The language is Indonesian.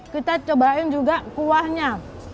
kita cobain juga kuahnya